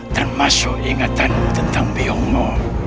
termasuk ingatan tentang biungmu